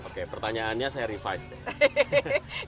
oke pertanyaannya saya revise deh